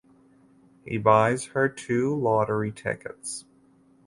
He buys her two lottery tickets.